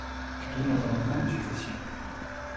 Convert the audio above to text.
D’où notre amendement de suppression.